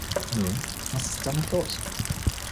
Nun, was ist damit los?